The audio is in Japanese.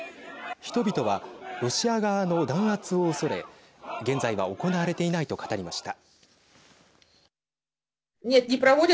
人々は、ロシア側の弾圧を恐れ現在は行われていないと語りました。